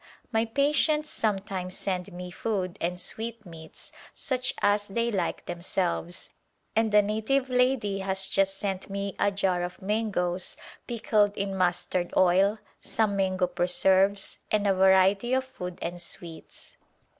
My patients sometimes send me food and sweet meats such as they like themselves, and a native lady has just sent me a jar of mangoes pickled in mustard oil, some mango preserves and a variety of food and sweets.